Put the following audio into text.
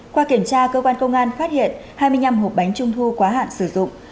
qua kiểm tra cơ quan công an phát hiện hai mươi năm hộp bánh trung thu quá hạn sử dụng